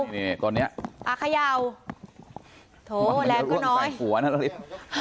นี่นี่ตอนเนี้ยอ่ะขย่าวโถแรงก็น้อยมันมีร่วมใส่หัวน่ะนาฬิก